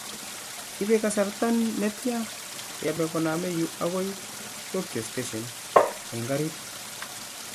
ibe kasarta ne tya kebe koname yu agoi Tokyo station Eng' karit